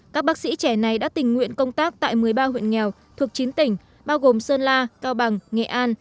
các bác sĩ trẻ này đã tình nguyện công tác tại một mươi ba huyện nghèo thuộc chín tỉnh bao gồm sơn la cao bằng nghệ an